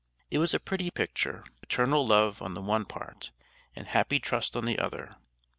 It was a pretty picture maternal love on the one part, and happy trust on the other.